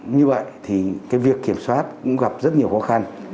như vậy thì cái việc kiểm soát cũng gặp rất nhiều khó khăn